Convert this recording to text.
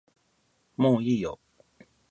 もういいよ